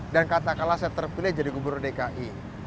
dan kata kala saya terpilih jadi gubernur dki